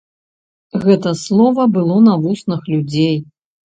Гэта слова было на вуснах людзей.